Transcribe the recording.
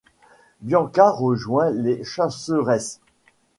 Bianca rejoint les Chasseresses.